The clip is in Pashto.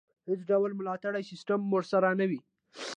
هېڅ ډول ملاتړی سیستم ورسره نه وي.